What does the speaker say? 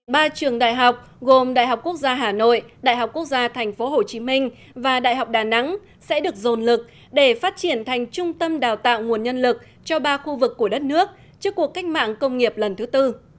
ba trường đại học gồm đại học quốc gia hà nội đại học quốc gia tp hcm và đại học đà nẵng sẽ được dồn lực để phát triển thành trung tâm đào tạo nguồn nhân lực cho ba khu vực của đất nước trước cuộc cách mạng công nghiệp lần thứ tư